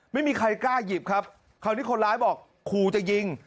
ไม่มีใครกล้าหยิบครับคราวนี้คนร้ายบอกขู่จะยิง